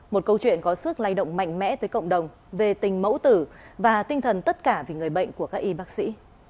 một câu chuyện có sức lay động mạnh mẽ tới cộng đồng về tình mẫu tử và tinh thần tất cả vì người bệnh của các y bác sĩ